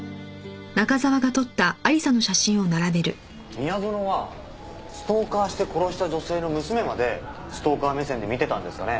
宮園はストーカーして殺した女性の娘までストーカー目線で見てたんですかね？